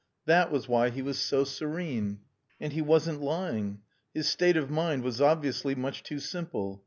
That was why he was so serene. And he wasn't lying. His state of mind was obviously much too simple.